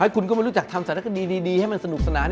คุณก็ไม่รู้จักทำสารคดีดีให้มันสนุกสนาน